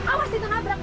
awas ditengah berang